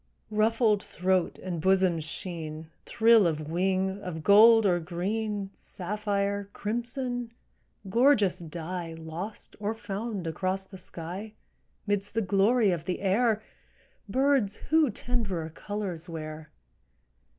Ruffled throat and bosom's sheen, Thrill of wing, of gold or green, Sapphire, crimson—gorgeous dye Lost or found across the sky, 'Midst the glory of the air, Birds who tenderer colors wear?